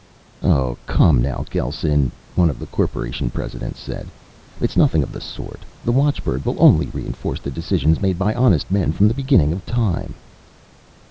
"Oh, come now, Gelsen," one of the corporation presidents said. "It's nothing of the sort. The watchbird will only reinforce the decisions made by honest men from the beginning of time."